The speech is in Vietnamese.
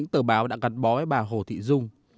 tờ báo đã gắn bói bà hồ thị dung